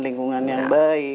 lingkungan yang baik